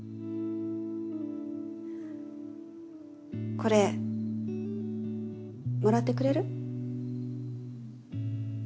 これもらってくれる？